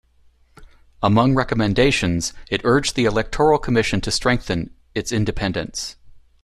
Among recommendations, it urged the Electoral Commission to strengthen its independence.